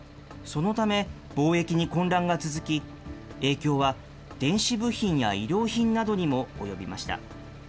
そのため、ぼうえきに混乱が続き、影響は電子部品や衣料品などにも及びました。